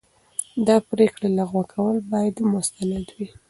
د پرېکړې لغوه کول باید مستند وي.